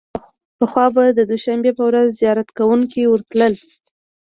پخوا به د دوشنبې په ورځ زیارت کوونکي ورتلل.